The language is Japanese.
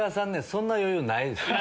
そんな余裕ないんす。